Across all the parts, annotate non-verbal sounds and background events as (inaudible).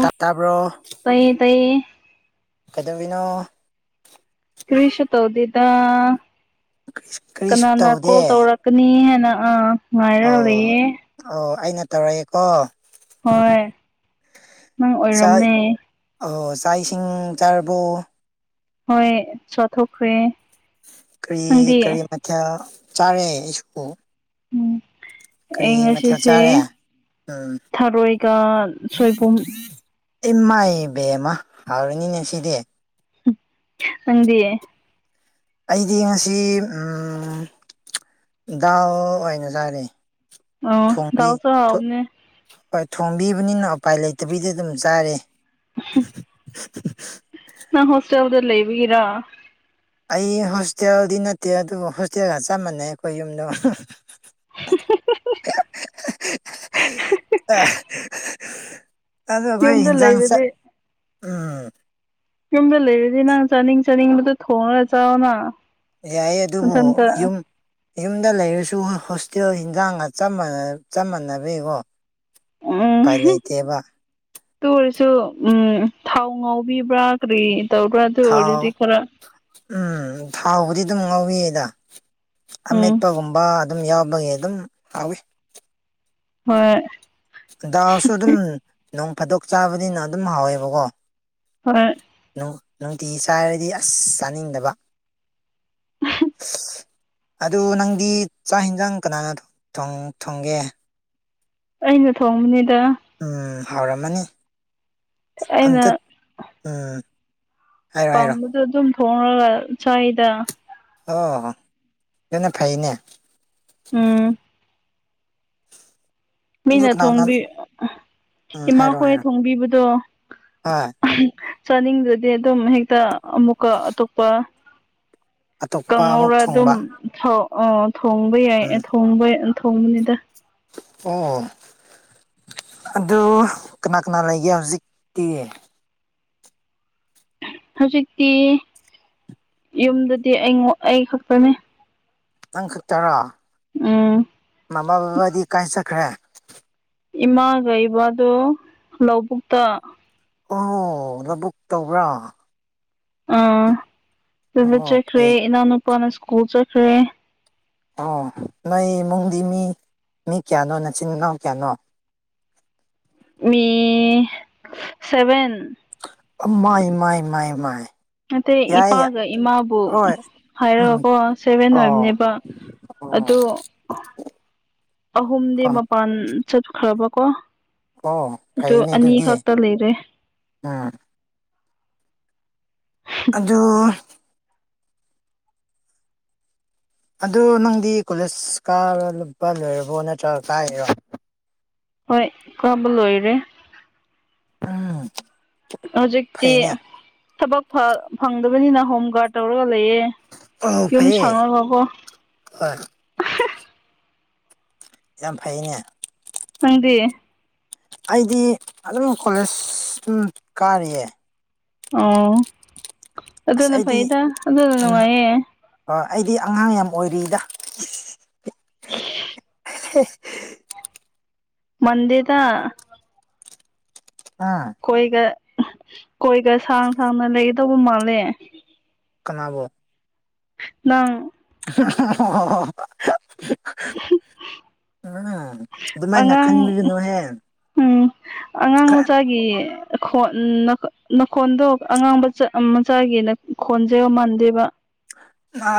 ꯇꯥ ꯇꯥꯕꯔꯣ ꯇꯥꯏꯌꯦ ꯇꯥꯏꯌꯦ ꯀꯩꯗꯧꯋꯤꯅꯣ ꯀ꯭ꯔꯤꯁꯨ ꯇꯧꯗꯦꯗ ꯀꯔꯤꯁꯨ ꯀꯅꯥꯅ ꯀꯣꯜ ꯇꯧꯗꯦ ꯇꯧꯔ ꯀꯅꯤꯌꯦꯅꯥ ꯑꯥ ꯑꯥ ꯑꯣ ꯑꯣ ꯑꯩꯅ ꯇꯧꯔꯛꯑꯦꯀꯣ ꯍꯣꯏ ꯅꯪ ꯆꯥꯛ ꯑꯣꯏꯔꯝꯃꯦ ꯑꯣ ꯆꯥꯛ ꯏꯁꯤꯡ ꯆꯥꯔꯕꯣ ꯍꯣꯏ ꯆꯥꯠꯊꯣꯛꯈ꯭ꯔꯦ ꯀꯔꯤ ꯀꯔꯤ ꯃꯊꯦꯜ ꯆꯥꯔꯦ ꯑꯩꯁꯨꯀꯣ ꯎꯝ ꯀꯔꯤ ꯑꯩ ꯃꯊꯦꯜ ꯉꯁꯤꯁꯦ ꯆꯥꯔꯦ ꯎꯝ ꯊꯔꯣꯏꯒ ꯁꯣꯏꯕꯨꯝ ꯏꯃꯥꯏ ꯏꯕꯦꯝꯃ ꯍꯥꯎꯔꯅꯤꯅꯦ ꯁꯤꯗꯤ ꯅꯪꯗꯤ ꯑꯩꯗꯤ ꯉꯁꯤ ꯎꯝ ꯗꯥꯜ ꯑꯣꯏꯅ ꯆꯔꯦ ꯑꯣ ꯊꯣꯡꯕꯤ ꯗꯥꯜꯁꯨ ꯊꯣꯛ ꯍꯥꯎꯕꯅꯦ ꯍꯣꯏ ꯊꯣꯡꯕꯤꯕꯅꯤꯅ ꯎꯄꯥꯏ ꯂꯩꯇꯕꯒꯤ ꯑꯗꯨꯝ ꯆꯥꯔꯦ ꯅꯪ ꯍꯣꯁꯇꯦꯜꯗ ꯂꯩꯕꯒꯤꯔꯣ ꯑꯩ ꯍꯣꯁꯇꯦꯜꯗꯤ ꯅꯠꯇꯦ ꯑꯗꯨꯕꯨ ꯍꯣꯁꯇꯦꯜꯒ ꯆꯞ ꯃꯥꯟꯅꯩ ꯑꯩꯈꯣꯏ ꯌꯨꯝꯗꯣ ꯑ (unintelligible) ꯑꯗ ꯑꯩꯈꯣꯏ ꯌꯨꯝꯗ ꯌꯦꯟꯖꯥꯡꯁꯦ ꯂꯩꯔꯗꯤ ꯎꯝ ꯌꯨꯝꯗ ꯂꯩꯔꯗꯤ ꯅꯪ ꯆꯥꯅꯤꯡ ꯆꯥꯅꯤꯡꯕꯗꯨꯣ ꯊꯣꯡꯔꯒ ꯆꯥꯎꯅ ꯌꯥꯏꯌꯦ ꯑꯗꯨꯕꯨ ꯃꯊꯟꯇ ꯌꯨꯝ ꯌꯨꯝꯗ ꯂꯩꯔꯁꯨ ꯍꯣꯁꯇꯦꯜ ꯍꯟꯖꯥꯡꯒ ꯆꯞ ꯃꯅꯥ ꯆꯞ ꯃꯥꯟꯅꯕꯩꯀꯣ ꯎꯝ ꯎꯄꯥꯏ ꯂꯩꯇꯦꯕ ꯑꯗꯨ ꯑꯣꯏꯔꯁꯨ ꯎꯝ ꯊꯥꯎ ꯉꯥꯎꯕꯤꯕ꯭ꯔꯥ ꯀꯔꯤ ꯇꯧꯕ꯭ꯔꯥ ꯊꯥꯎ ꯑꯣꯏꯔꯗꯤ ꯈꯔ ꯎꯝ ꯊꯥꯎꯕꯨꯗꯤ ꯑꯗꯨꯝ ꯉꯥꯎꯋꯦꯗ ꯎꯝ ꯑꯃꯦꯠꯄꯒꯨꯝꯕ ꯑꯗꯨꯝ ꯌꯥꯎꯕꯒꯤ ꯑꯗꯨꯝ ꯍꯥꯎꯋꯤ ꯍꯣꯏ ꯗꯜꯁꯨ ꯑꯗꯨꯝ ꯅꯣꯡ ꯐꯥꯗꯣꯛ ꯆꯥꯕꯅꯤꯅ ꯑꯗꯨꯝ ꯍꯥꯎꯋꯦꯕꯀꯣ ꯍꯣꯏ ꯅꯨꯡ ꯅꯨꯡꯇꯤꯒꯤ ꯆꯥꯔꯗꯤ ꯑꯁ ꯆꯥꯅꯤꯡꯗꯕ ꯁ (unintelligible) ꯑꯗꯨ ꯅꯪꯗꯤ ꯆꯥꯛ ꯌꯦꯟꯖꯥꯡ ꯀꯅꯥꯅ ꯊꯣꯡ ꯊꯣꯡꯒꯦ ꯑꯩꯅ ꯊꯣꯡꯕꯅꯤꯗ ꯎꯝ ꯍꯥꯎꯔꯝꯃꯅꯤ ꯑꯩꯅ ꯑꯝꯇ ꯎꯝ ꯍꯥꯏꯔꯣ ꯍꯥꯏꯔꯣ ꯄꯥꯝꯕꯗꯨ ꯑꯗꯨꯝ ꯊꯣꯡꯔꯒ ꯆꯥꯏꯗ ꯑꯣ ꯑꯗꯨꯅ ꯐꯩꯌꯦꯅꯦ ꯎꯝ ꯑꯗꯨ ꯃꯤꯅ ꯀꯅꯥ ꯀꯅꯥ ꯊꯣꯡꯕꯤ ꯎꯝ ꯍꯥꯏꯔꯣ ꯏꯃꯥꯈꯣꯏ ꯍꯥꯏꯔꯣ ꯊꯣꯡꯕꯤꯕꯗꯣ ꯍꯣꯏ ꯆꯥꯅꯤꯡꯗꯔꯗꯤ ꯑꯗꯨꯝ ꯍꯦꯛꯇ ꯑꯃꯨꯛꯀ ꯑꯇꯣꯞꯄ ꯑꯇꯣꯞꯄ ꯑꯃꯨꯛ ꯀꯥꯡꯍꯧꯔ ꯑꯗꯨꯝ ꯊꯣꯡꯕ ꯊꯥꯎ ꯑ ꯊꯣꯡꯕ ꯌꯥꯏ ꯎꯝ ꯊꯣꯡꯕ ꯊꯣꯡꯕꯅꯤꯗ ꯑꯣ ꯑꯗꯨ ꯀꯅꯥ ꯀꯅꯥ ꯂꯩꯒꯦ ꯍꯧꯖꯤꯛꯇꯤ ꯍꯧꯖꯤꯛꯇꯤ ꯌꯨꯝꯗꯗꯤ ꯑꯩ ꯑꯩ ꯈꯛꯇꯥꯅꯦ ꯅꯪ ꯈꯛꯇꯔꯣ ꯎꯝ ꯃꯃꯥ ꯕꯕꯥꯗꯤ ꯀꯥꯏ ꯆꯠꯈ꯭ꯔꯦ ꯏꯃꯥꯒ ꯏꯕꯗꯣ ꯂꯧꯕꯨꯛꯇ ꯑꯣ ꯂꯧꯕꯨꯛ ꯇꯧꯕ꯭ꯔꯥ ꯑꯥ ꯑꯗꯨꯗ ꯑꯣ ꯆꯠꯈ꯭ꯔꯦ ꯐꯩ ꯏꯅꯥꯎꯅꯨꯄꯥꯅ ꯁ꯭ꯀꯨꯜ ꯆꯠꯈ꯭ꯔꯦ ꯑꯣ ꯅꯣꯏ ꯏꯃꯨꯡꯗꯤ ꯃꯤ ꯃꯤ ꯀꯌꯥꯅꯣ ꯃꯆꯤꯟ ꯏꯅꯥꯎ ꯀꯌꯥꯅꯣ ꯃꯤ ꯁꯚꯦꯟ ꯃꯥꯏ ꯃꯥꯏ ꯃꯥꯏ ꯃꯥꯏ ꯅꯇꯩ ꯌꯥꯏ ꯌꯥꯏ ꯏꯄꯥꯒ ꯏꯃꯥꯕꯨ ꯍꯣꯏ ꯎꯝ ꯍꯥꯏꯔꯒꯀꯣ ꯁꯚꯦꯟ ꯑꯣ ꯑꯣꯏꯕꯅꯦꯕ ꯑꯣ ꯑꯗꯣ ꯑꯍꯨꯝꯗꯤ ꯑꯣ ꯃꯄꯥꯟ ꯆꯠꯈ꯭ꯔꯕꯀꯣ ꯑꯣ ꯑꯗꯨ ꯐꯩꯅꯦ ꯑꯅꯤ ꯑꯗꯨꯗꯤ ꯈꯛꯇ ꯂꯩꯔꯦ ꯎꯝ ꯑꯗꯨ ꯑꯗꯨ ꯅꯪꯗꯤ ꯀꯣꯂꯦꯖꯀ ꯂꯨꯞꯄ ꯂꯣꯏꯔꯕꯣ ꯅꯠꯇ꯭ꯔꯒ ꯀꯥꯏꯔꯣ ꯍꯣꯏ ꯀꯥꯕ ꯂꯣꯏꯔꯦ ꯎꯝ ꯍꯧꯖꯤꯛꯇꯤ ꯐꯩꯅꯦ ꯊꯕꯛ ꯐꯪꯗꯕꯅꯤꯅ ꯍꯣꯝ ꯒꯥꯔꯗ ꯇꯧꯔꯒ ꯂꯩꯌꯦ꯫ ꯑꯣ ꯌꯨꯝ ꯐꯩꯌꯦ ꯁꯪꯉꯒꯀꯣ ꯍꯣꯏ ꯌꯥꯝ ꯐꯩꯅꯦ ꯅꯪꯗꯤ ꯑꯩꯗꯤ ꯑꯗꯨꯝ ꯀꯣꯂꯦꯖ ꯑꯗꯨꯝ ꯀꯥꯔꯤꯌꯦ ꯑꯣ ꯑꯁ ꯑꯗꯨꯅ ꯐꯩꯗ ꯑꯗꯨꯅ ꯅꯨꯡꯉꯥꯏꯌꯦ ꯑꯥ ꯑꯩꯗꯤ ꯑꯉꯥꯡ ꯌꯥꯝ ꯑꯣꯏꯔꯤꯗ (unintelligible) (unintelligible) ꯃꯟꯗꯦꯗ ꯍꯥ ꯀꯣꯏꯒ ꯀꯣꯏꯒ ꯁꯥꯡ ꯁꯥꯡꯅ ꯂꯩꯒꯗꯧꯕ ꯃꯥꯜꯂꯦ ꯀꯅꯥꯕꯨ ꯅꯪ (unintelligible) ꯎꯝ ꯑꯗꯨꯃꯥꯏꯅ ꯑꯉꯥꯡ ꯈꯟꯕꯤꯒꯅꯨꯍꯦ ꯎꯝ ꯑꯉꯥꯡ ꯃꯆꯥꯒꯤ ꯅꯈꯣꯟ ꯅꯈꯣꯟꯗꯣ ꯑꯉꯥꯡꯕ ꯃꯆꯥꯒꯤꯅ ꯈꯣꯟꯖꯦꯜ ꯃꯥꯟꯗꯦꯕ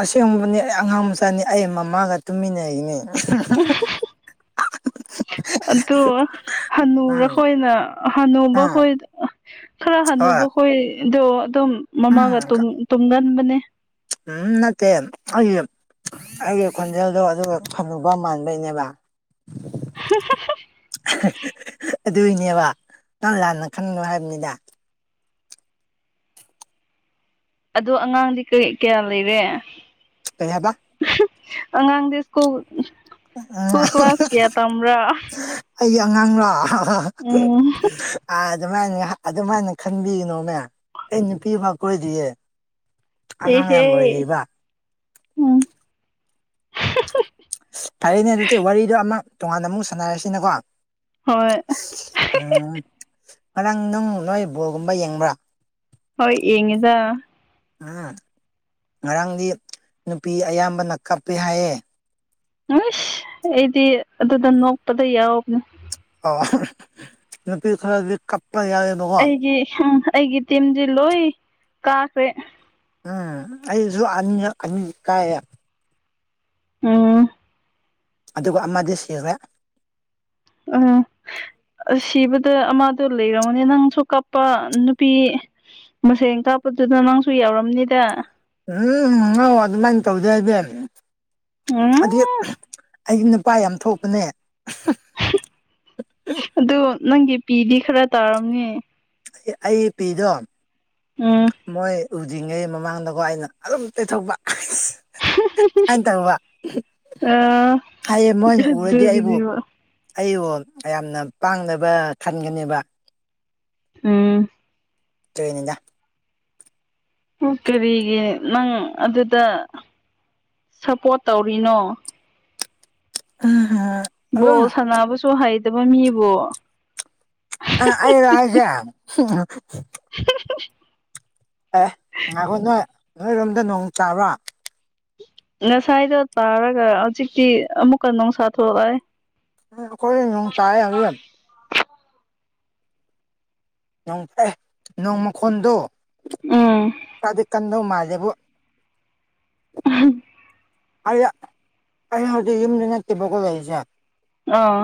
ꯑꯁꯦꯡꯕꯅꯤ ꯑꯩ ꯑꯉꯥꯡ ꯃꯆꯥꯅꯤ ꯑꯩ ꯃꯃꯥꯒ ꯇꯨꯃꯤꯟꯅꯔꯤꯅꯦ (unintelligible) ꯑꯗꯨ ꯍꯅꯨꯔ ꯎꯝ ꯍꯣꯏꯅ ꯍꯟꯅꯨꯕ ꯎꯝ ꯍꯣꯏ ꯈꯔ ꯍꯣꯏ ꯍꯅꯨꯕꯈꯣꯏꯗꯣ ꯑꯗꯨꯝ ꯃꯃꯥꯒ ꯎꯝ ꯇꯨꯝ ꯇꯨꯝꯒꯟꯕꯅꯦ ꯎꯝ ꯅꯠꯇꯦ ꯑꯩꯒꯤ ꯈꯣꯟꯖꯦꯜꯗꯣ ꯑꯗꯨꯒ ꯍꯥꯅꯨꯕ ꯃꯥꯟꯕꯩꯅꯦꯕ (unintelligible) ꯑꯗꯨꯏꯅꯦꯕ ꯅꯪ ꯂꯥꯟꯅ ꯈꯟꯅꯣ ꯍꯥꯏꯕꯅꯤꯗ ꯑꯗꯣ ꯑꯉꯥꯡꯗꯤ ꯀꯔꯤ ꯀꯌꯥ ꯂꯩꯔꯦ ꯀꯩ ꯍꯥꯏꯕ ꯑꯉꯥꯡꯗꯤ ꯁ꯭ꯀꯨꯜ ꯎꯝ ꯁ꯭ꯀꯨꯜ ꯀ꯭ꯂꯥꯁ ꯀꯌꯥ ꯇꯝꯕ꯭ꯔ ꯑꯩꯒꯤ ꯑꯉꯥꯡꯔꯣ ꯑꯥ ꯎꯝ ꯑꯗꯨꯃꯥꯏꯅ ꯑꯗꯨꯃꯥꯏꯅ ꯈꯟꯕꯤꯒꯅꯣꯃꯦ ꯑꯩ ꯅꯨꯄꯤ ꯐꯥꯎ ꯀꯣꯏꯗꯔꯤꯌꯦ ꯏꯍꯦ ꯎꯝ ꯐꯔꯦꯅꯦ ꯑꯗꯨꯗꯤ ꯋꯥꯔꯤꯗꯣ ꯑꯃ ꯇꯣꯉꯥꯟꯅ ꯑꯃꯨꯛ ꯁꯥꯟꯅꯔꯁꯤꯅꯀꯣ ꯍꯣꯏ ꯎꯝ ꯉꯔꯥꯡ ꯅꯪ ꯅꯣꯏ ꯕꯣꯜꯒꯨꯝꯕ ꯌꯦꯡꯕ꯭ꯔꯥ ꯍꯣꯏ ꯌꯦꯡꯉꯤꯗ ꯎꯝ ꯉꯔꯥꯡꯗꯤ ꯅꯨꯄꯤ ꯑꯌꯥꯝꯕꯅ ꯀꯞꯄꯦ ꯍꯥꯏꯌꯦ ꯑꯁ ꯑꯩꯗꯤ ꯑꯗꯨꯗ ꯅꯣꯛꯄꯗ ꯌꯥꯎꯕꯅꯤ ꯑꯣ ꯅꯨꯄꯤ ꯈꯔꯗꯤ ꯀꯞꯄꯥ ꯌꯥꯎꯋꯦ ꯑꯩꯒꯤ ꯑꯩꯒꯤ ꯇꯤꯝꯗꯤ ꯂꯣꯏ ꯀꯥꯈ꯭ꯔꯦ ꯎꯝ ꯑꯩꯁꯨ ꯑꯅꯤ ꯑꯅꯤ ꯀꯥꯏꯌꯦ ꯎꯝ ꯑꯗꯨꯒ ꯑꯃꯗꯤ ꯁꯤꯔꯦ (unintelligible) ꯁꯤꯕꯗ ꯑꯃꯗꯣ ꯂꯩꯔꯝꯃꯗꯤ ꯅꯪꯁꯨ ꯀꯥꯞꯄ ꯅꯨꯄꯤ ꯃꯁꯦꯟ ꯀꯥꯞꯄꯗꯨꯗ ꯅꯪꯁꯨ ꯌꯥꯎꯔꯝꯅꯤꯗ ꯎꯝ ꯉꯧ ꯑꯗꯨꯃꯥꯏꯅ ꯇꯧꯗꯦ ꯑꯩꯗꯤ ꯎꯝ ꯑꯗꯤ ꯑꯩꯗꯤ ꯅꯨꯄꯥ ꯌꯥꯝ ꯊꯣꯛꯄꯅꯦ ꯑꯗꯨ ꯅꯪꯒꯤ ꯄꯤꯗꯤ ꯈꯔ ꯇꯥꯔꯝꯅꯤ ꯑꯩꯒꯤ ꯄꯤꯗꯣ ꯎꯝ ꯃꯣꯏ ꯎꯗ꯭ꯔꯤꯉꯩ ꯃꯃꯥꯡꯗꯀꯣ ꯑꯩꯅ ꯑꯗꯨꯝ ꯇꯩꯊꯣꯛꯄ ꯑꯅ ꯇꯧꯕ ꯑ ꯍꯥꯏꯌꯦ ꯃꯣꯏꯅ ꯎꯔꯗꯤ ꯑꯩꯕꯨ ꯑꯗꯨꯒꯤꯅꯦꯕ ꯑꯩꯕꯨ ꯌꯥꯝꯅ ꯄꯥꯡꯗꯕ ꯈꯟꯒꯅꯦꯕ ꯎꯝ ꯗꯨꯏꯅꯤꯗ ꯀꯔꯤꯒꯤ ꯅꯪ ꯑꯗꯨꯗ ꯁꯞꯄꯣꯔꯠ ꯇꯧꯔꯤꯅꯣ ꯎꯝ ꯍꯝ ꯕꯣꯜ ꯁꯥꯟꯅꯕꯁꯨ ꯍꯩꯇꯕ ꯃꯤꯕꯨ ꯑ ꯑꯩꯔꯣ ꯍꯥꯏꯁꯦ (inaudible) ꯑꯦ ꯉꯥꯏꯈꯣ ꯅꯣꯏ ꯅꯣꯏꯔꯣꯝꯗ ꯅꯣꯡ ꯇꯕ꯭ꯔꯥ ꯉꯁꯥꯏꯗꯣ ꯇꯥꯔꯒ ꯍꯧꯖꯤꯛꯇꯤ ꯑꯃꯨꯛꯀ ꯅꯨꯡꯁꯥ ꯊꯣꯛꯂꯛꯑꯦ ꯑꯩꯈꯣꯏ ꯅꯣꯡ ꯇꯥꯏꯌꯦ ꯍꯧꯖꯤꯛ ꯅꯣꯡ ꯅꯣꯡ ꯃꯈꯣꯟꯗꯨ ꯎꯝ ꯈꯔꯗꯤ ꯀꯟꯕ ꯃꯥꯜꯂꯦꯕꯨ (inaudible) ꯑꯩ ꯑꯩ ꯍꯧꯖꯤꯛ ꯌꯨꯝꯗ ꯅꯠꯇꯦꯕꯀꯣ ꯂꯩꯁꯦ ꯑꯥ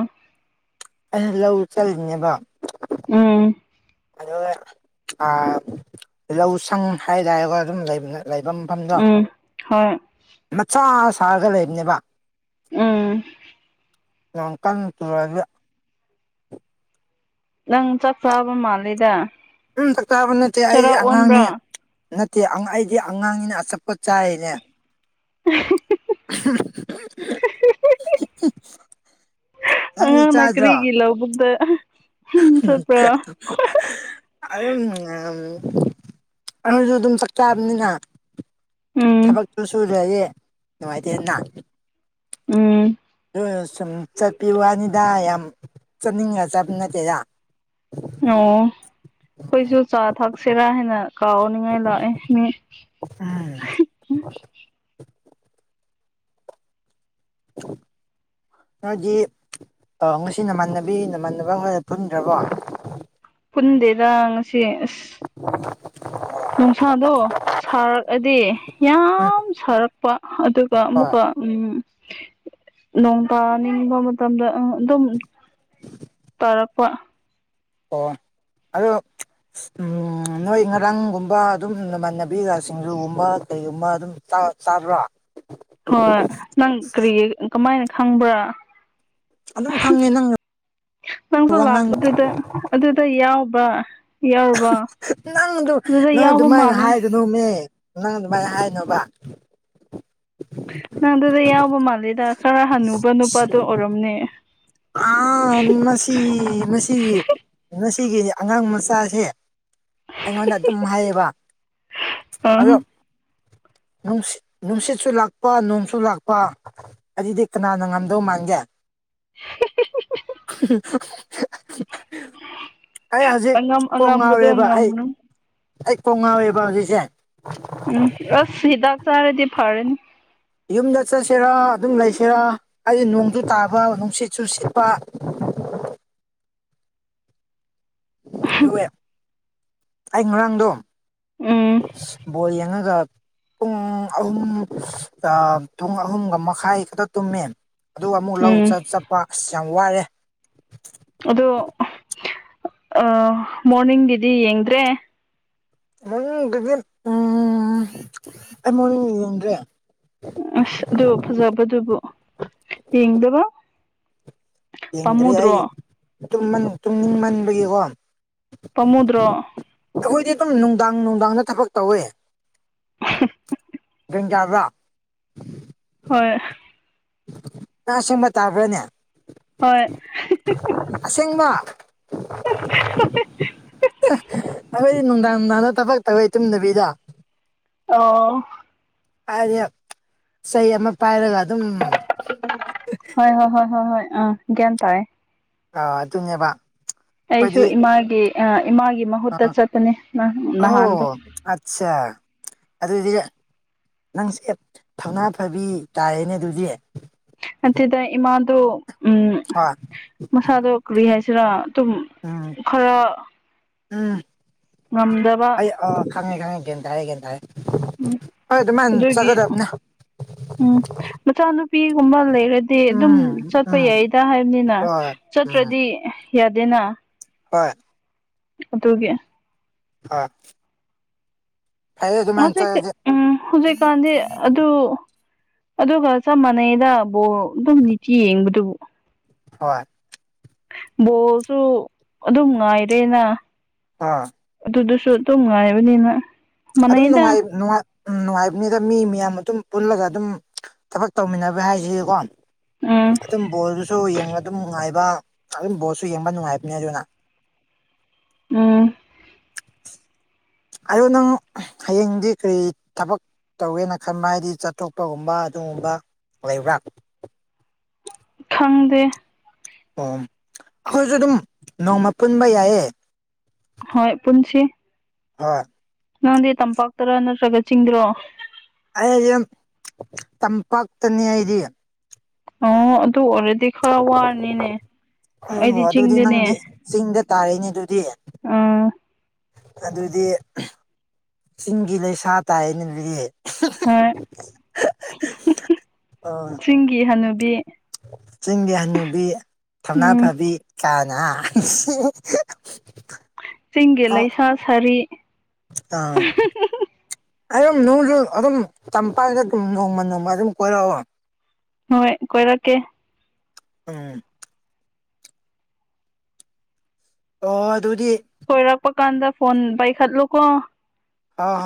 ꯑꯩ ꯂꯧ ꯆꯠꯂꯤꯅꯦꯕ ꯎꯝ ꯑꯗꯨꯒ ꯑ ꯂꯧꯁꯪ ꯍꯥꯏꯇꯥꯔꯦꯀꯣ ꯑꯗꯨꯝ ꯂꯩꯕꯅꯦ ꯂꯩꯕꯝ ꯈꯪꯕ꯭ꯔꯥ ꯎꯝ ꯍꯣꯏ ꯃꯆꯥ ꯁꯥꯔꯒ ꯂꯩꯕꯅꯦꯕ ꯎꯝ ꯅꯣꯡ ꯀꯟꯅ ꯆꯨꯔꯛꯑꯗꯤ ꯅꯪ ꯆꯥꯛ ꯆꯥꯕ ꯃꯥꯜꯂꯤꯗ ꯎꯝ ꯆꯥꯛ ꯆꯥꯕ ꯅꯠꯇꯦ ꯑꯩ ꯆꯔꯥ ꯑꯉꯥꯡꯅꯤ ꯑꯣꯟꯕ꯭ꯔꯥ ꯅꯠꯇꯦ ꯑꯩꯗꯤ ꯑꯉꯥꯡꯅꯤꯅ ꯑꯆꯥꯄꯣꯠ ꯆꯥꯏꯅꯦ (unintelligible) ꯑꯩꯅ ꯆꯥꯗ꯭ꯔꯣ ꯕꯦꯀꯔꯤꯒꯤ ꯂꯧꯕꯨꯛꯇ ꯆꯠꯄ꯭ꯔꯥ (unintelligible) ꯑꯗꯨꯝ ꯅꯨꯉꯥꯢꯑꯝꯅꯤ ꯑꯩꯈꯣꯢꯖꯨ ꯑꯗꯨꯝ ꯆꯥꯛ ꯆꯥꯕꯅꯤꯅ ꯎꯝ ꯊꯕꯛꯇꯨ ꯁꯨꯗ꯭ꯔꯗꯤ ꯅꯨꯡꯉꯥꯢꯇꯦꯅ ꯎꯝ ꯑꯗꯨꯑꯣꯢꯔ ꯁꯨꯝ ꯆꯠꯄꯤ ꯋꯥꯅꯤꯗ ꯌꯥꯝ ꯆꯠꯅꯤꯡꯉ ꯆꯠꯄ ꯅꯠꯇꯦꯗ ꯑꯣ ꯈꯣꯢꯖꯨ ꯆꯥ ꯊꯛꯁꯤꯔꯥ ꯍꯥꯢꯅ ꯀꯧꯅꯤꯉꯥꯢ ꯂꯥꯛꯑꯦ ꯃꯤ ꯎꯝ (unintelligible) ꯅꯣꯢꯗꯤ ꯑ ꯉꯁꯤ ꯅꯃꯥꯟꯅꯕꯤ ꯅꯃꯥꯟꯅꯕ ꯍꯣꯒ ꯄꯨꯟꯗ꯭ꯔꯕꯣ ꯄꯨꯟꯗꯦꯗ ꯉꯁꯤ ꯑꯁ (unintelligible) ꯅꯣꯡꯁꯥꯗꯣ ꯁꯥꯔꯛꯑꯗꯤ ꯌꯥꯝ ꯁꯥꯔꯛꯄ ꯑꯗꯨꯒ ꯍꯣꯏ ꯑꯃꯨꯛꯀ ꯎꯝ ꯅꯣꯡꯕꯥꯟ ꯅꯤꯡꯕ ꯃꯇꯝꯗ ꯑ ꯑꯗꯨꯝ ꯇꯔꯛꯄ ꯑꯣ ꯑꯗꯨ ꯎꯝ ꯅꯣꯢ ꯉꯔꯥꯡꯒꯨꯝꯕ ꯑꯗꯨꯝ ꯅꯃꯥꯟꯅꯕꯤꯒ ꯁꯤꯡꯖꯨꯒꯨꯝꯕ ꯀꯔꯤꯒꯨꯝꯕ ꯑꯗꯨꯝ ꯆꯥꯔ ꯆꯕ꯭ꯔꯣ ꯍꯣꯢ ꯅꯪ ꯀꯔꯤꯒꯤ ꯀꯃꯥꯢꯅ ꯈꯪꯕ꯭ꯔꯥ ꯑꯗꯨꯝ ꯈꯪꯉꯦ ꯅꯪ ꯅꯪꯁꯨ ꯋꯥꯉꯥꯡ ꯂꯥꯛꯄꯗꯨꯗ ꯑꯗꯨꯗ ꯌꯥꯎꯕ ꯌꯥꯎꯕ ꯅꯪꯗꯨ ꯅꯪ ꯑꯗꯨꯃꯥꯢꯅ ꯃꯥꯜꯂꯦ ꯍꯥꯡꯒꯅꯣꯃꯦ ꯅꯪ ꯑꯗꯨꯃꯥꯢ ꯍꯥꯢꯅꯣꯕ ꯅꯪꯗꯨꯗ ꯌꯥꯎꯕ ꯃꯥꯜꯂꯤꯗ ꯈꯔ ꯍꯟꯅꯨꯕ ꯅꯨꯄꯥꯗꯣ ꯑꯣꯢꯔꯝꯅꯦ ꯑ ꯃꯁꯤ ꯃꯁꯤꯒꯤ ꯃꯁꯤꯒꯤ ꯑꯉꯥꯡ ꯃꯆꯥꯖꯦ ꯑꯩꯉꯣꯟꯗ ꯑꯗꯨꯝ ꯍꯥꯢꯌꯦꯕ ꯑꯝ ꯑꯗꯣ ꯅꯨꯡꯁꯤꯠ ꯅꯨꯡꯁꯤꯠꯁꯨ ꯂꯥꯛꯄ ꯅꯣꯡꯁꯨ ꯂꯥꯛꯄ ꯑꯗꯨꯗꯤ ꯀꯅꯥꯅ ꯉꯝꯗꯧ ꯃꯥꯟꯒꯦ (unintelligible) (unintelligible) ꯑꯩ ꯍꯧꯖꯤꯛ ꯑꯉꯝ ꯀꯣꯛ ꯑꯉꯝꯕꯗꯣ ꯉꯥꯎꯔꯦꯕ ꯑꯩ ꯉꯝꯃꯨꯅꯨ ꯑꯩ ꯀꯣꯛ ꯉꯥꯎꯋꯦꯕ ꯍꯧꯖꯤꯛꯁꯦ ꯎꯝ ꯑ ꯍꯤꯗꯥꯛ ꯆꯥꯔꯗꯤ ꯐꯔꯅꯤ ꯌꯨꯝꯗ ꯆꯠꯁꯤꯔꯥ ꯑꯗꯨꯝ ꯂꯩꯁꯤꯔꯥ ꯑꯩ ꯅꯣꯡꯖꯨ ꯇꯥꯕ ꯅꯨꯡꯁꯤꯠꯁꯨ ꯁꯤꯠꯄ ꯇꯨꯌꯦ ꯑꯩ ꯉꯔꯥꯡꯗꯣ ꯎꯝ ꯑꯁ ꯕꯣꯜ ꯌꯦꯡꯉꯒ ꯄꯨꯡ ꯑꯍꯨꯝ ꯑ ꯄꯨꯡ ꯑꯍꯨꯝꯒ ꯃꯈꯥꯢ ꯈꯛꯇ ꯇꯨꯝꯃꯦ ꯑꯗꯨꯒ ꯑꯃꯨꯛ ꯂꯧ ꯎꯝ ꯆꯠ ꯆꯠꯄ ꯑꯁ ꯌꯥꯝ ꯋꯥꯔꯦ ꯑꯗꯣ ꯑ ꯃꯣꯔꯅꯤꯡꯒꯤꯗꯤ ꯌꯦꯡꯗ꯭ꯔꯦ ꯃꯣꯔꯅꯤꯡꯒꯤꯗꯤ ꯎꯝ ꯑꯩ ꯃꯣꯔꯅꯤꯡꯒꯤ ꯌꯦꯡꯗ꯭ꯔꯦ ꯑꯁ ꯑꯗꯨ ꯐꯖꯕꯗꯨꯕꯨ ꯌꯦꯡꯗꯕ ꯌꯦꯡꯗ꯭ꯔꯦ ꯑꯩ ꯄꯥꯝꯃꯨꯗ꯭ꯔꯣ ꯇꯨꯝꯃꯟ ꯇꯨꯡꯅꯤꯡꯃꯟꯕꯒꯤꯀꯣ ꯄꯝꯃꯨꯗ꯭ꯔꯣ ꯑꯩꯈꯣꯢꯗꯤ ꯑꯗꯨꯝ ꯅꯨꯡꯗꯥꯡ ꯅꯨꯡꯗꯥꯡꯗ ꯊꯕꯛ ꯇꯧꯋꯦ (unintelligible) (unintelligible) ꯍꯣꯏ ꯅꯪ ꯑꯁꯦꯡꯕ ꯇꯥꯕ ꯔꯅꯦ ꯍꯣꯏ ꯑꯁꯦꯡꯕꯥ ꯑꯣꯏ ꯅꯨꯡꯗꯥꯡ ꯅꯨꯡꯗꯥꯡꯗ ꯊꯕꯛ ꯇꯧꯋꯦ ꯇꯨꯝꯗꯕꯤꯗ ꯑꯣ ꯍꯥꯏꯔꯗꯤ ꯆꯩ ꯑꯃ ꯄꯥꯏꯔꯒ ꯑꯗꯨꯝ ꯍꯣꯏ ꯍꯣꯏ ꯍꯣꯏ ꯍꯣꯏ ꯍꯣꯏ ꯎ ꯒ꯭ꯌꯥꯟ ꯇꯥꯏ ꯑꯗꯨꯅꯦꯕ ꯑꯩꯁꯨ ꯑꯩꯈꯣꯏꯗꯤ ꯏꯃꯥꯒꯤ ꯏꯃꯥꯒꯤ ꯃꯍꯨꯠꯇ ꯆꯠꯄꯅꯦ ꯅꯍꯥꯟꯗꯣ ꯑꯁꯆꯥ ꯑꯗꯨꯗꯤ ꯅꯪꯁꯦ ꯊꯧꯅꯥ ꯐꯕꯤ ꯇꯥꯏꯌꯦꯅꯦ ꯑꯗꯨꯗꯤ ꯑꯗꯨꯗ ꯏꯃꯥꯗꯨ ꯎꯝ ꯑꯥꯏ ꯃꯁꯥꯗꯣ ꯀꯔꯤ ꯍꯥꯏꯁꯤꯔꯥ ꯑꯗꯨꯝ ꯎꯝ ꯈꯔ ꯎꯝ ꯎꯝ ꯑꯩ ꯑ ꯈꯪꯉꯦ ꯈꯪꯉꯦ ꯒꯦꯟ ꯇꯥꯔꯦ ꯒꯦꯟ ꯇꯥꯔꯦ ꯎꯝ ꯍꯣꯏ ꯑꯗꯨꯃꯥꯏꯅ ꯑꯗꯨꯒꯤ ꯆꯠꯀꯗꯝꯅꯦ ꯎꯝ ꯃꯆꯥꯅꯨꯄꯤꯒꯨꯝꯕ ꯂꯩꯔꯗꯤ ꯑꯗꯨꯝ ꯎꯝ ꯆꯠꯄ ꯎꯝ ꯌꯥꯏꯗ ꯍꯥꯏꯕꯅꯤꯅ ꯍꯣꯏ ꯎꯝ ꯆꯠꯇ꯭ꯔꯗꯤ ꯌꯥꯗꯦꯅ ꯍꯣꯏ ꯑꯗꯨꯒꯤ ꯑꯥ ꯍꯧꯖꯤꯛꯇꯤ ꯆꯠꯂꯗꯤ ꯎꯝ ꯍꯧꯖꯤꯛꯀꯥꯟꯗꯤ (unintelligible) ꯑꯗꯨ ꯑꯗꯨꯒ ꯆꯞ ꯃꯥꯟꯅꯩꯗ ꯕꯣ ꯑꯗꯨꯝ ꯅꯤꯇꯤ ꯌꯦꯡꯕꯗꯨꯕꯨ ꯍꯣꯏ ꯕꯣꯜꯁꯨ ꯑꯗꯨꯝ ꯉꯥꯏꯔꯦꯅ ꯑꯥ ꯑꯗꯨꯗꯨꯁꯨ ꯑꯗꯨꯝ ꯉꯥꯏꯕꯅꯤꯅ ꯑꯗꯨꯝ ꯃꯥꯟꯅꯩꯗ ꯅꯨꯡꯉꯥꯏ ꯅꯨꯡꯉꯥꯏ ꯎꯝ ꯅꯨꯡꯉꯥꯏꯕꯅꯤꯗ ꯃꯤ ꯃꯌꯥꯝ ꯑꯗꯨꯝ ꯄꯨꯜꯂꯒ ꯑꯗꯨꯝ ꯊꯕꯛ ꯇꯧꯃꯤꯟꯅꯕ ꯍꯥꯏꯖꯤꯗꯤꯀꯣ ꯎꯝ ꯑꯗꯨꯝ ꯕꯣꯜꯗꯨꯁꯨ ꯌꯦꯡꯕ ꯑꯗꯨꯝ ꯅꯨꯡꯉꯥꯏꯕ ꯑꯗꯨꯝ ꯕꯣꯜꯁꯨ ꯌꯦꯡꯕ ꯅꯨꯡꯉꯥꯏꯕꯅꯦ ꯑꯗꯨꯅ ꯎꯝ ꯑꯗꯣ ꯅꯪ ꯍꯌꯦꯡꯗꯤ ꯀꯔꯤ ꯊꯕꯛ ꯇꯧꯋꯦꯅ ꯈꯟꯕ ꯍꯥꯏꯗꯤ ꯆꯠꯊꯣꯛꯄꯒꯨꯝꯕ ꯑꯗꯨꯒꯨꯝꯕ ꯂꯩꯕ꯭ꯔꯥ ꯈꯪꯗꯦ ꯑꯣ ꯑꯩꯈꯣꯏꯁꯨ ꯑꯗꯨꯝ ꯅꯣꯡꯃ ꯄꯨꯟꯕ ꯌꯥꯏꯌꯦ ꯍꯣꯏ ꯄꯨꯟꯁꯤ ꯍꯣꯏ ꯅꯪꯗꯤ ꯇꯝꯄꯥꯛꯇꯔ ꯅꯠꯇ꯭ꯔꯒ ꯆꯤꯡꯗ꯭ꯔꯣ ꯑꯩꯗꯤ ꯇꯝꯄꯥꯛꯇꯅꯤ ꯑꯩꯗꯤ ꯑꯣ ꯑꯗꯨ ꯑꯣꯏꯔꯗꯤ ꯈꯔ ꯋꯥꯔꯅꯤꯅꯦ ꯑꯩꯗꯤ ꯑꯣ ꯑꯗꯨꯗꯤ ꯆꯤꯡꯗꯅꯦ ꯅꯪꯗꯤ ꯆꯤꯡꯗ ꯇꯥꯔꯦꯅꯦ ꯑꯗꯨꯗꯤ ꯑꯨꯝ ꯑꯗꯨꯗꯤ ꯑꯍ ꯆꯤꯡꯒꯤ ꯂꯩꯁꯥ ꯇꯥꯏꯌꯦꯅꯦ ꯑꯗꯨꯗꯤ ꯍꯣꯏ ꯍ ꯍ ꯍ ꯑꯣ ꯆꯤꯡꯒꯤ ꯍꯅꯨꯕꯤ ꯆꯤꯡꯒꯤ ꯍꯅꯨꯕꯤ ꯊꯧꯅꯥ ꯎꯝ ꯐꯕꯤ ꯀꯥꯏꯅꯥ ꯍꯥ UNINTELLIGIBLE ꯆꯤꯡꯒꯤ ꯂꯩꯁꯥ ꯁꯥꯔꯤ ꯑꯪ ꯑꯗꯨꯝ ꯅꯣꯏꯁꯨ ꯑꯗꯨꯝ ꯇꯝꯄꯥꯛꯇ ꯗꯨꯝ ꯅꯣꯡꯃ ꯅꯣꯡꯃ ꯑꯗꯨꯝ ꯀꯣꯏꯔꯛꯑꯣ ꯍꯣꯏ ꯀꯣꯏꯔꯛꯀꯦ ꯎꯝ ꯑꯣ ꯑꯗꯨꯗꯤ ꯀꯣꯏꯔꯛꯄ ꯀꯥꯟꯗ ꯐꯣꯟ ꯄꯥꯏꯈꯠꯂꯨꯀꯣ ꯑꯧ